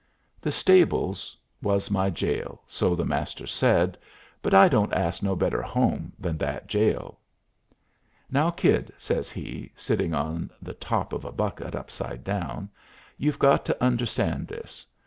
The stables was my jail, so the Master said, but I don't ask no better home than that jail. "Now, Kid," says he, sitting on the top of a bucket upside down, "you've got to understand this.